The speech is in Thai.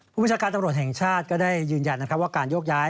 ผู้บุญชาการตำรวจแห่งชาติก็ได้ยืนยันว่าการยกย้าย